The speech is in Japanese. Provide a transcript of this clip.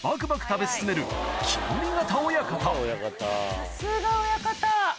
さすが親方。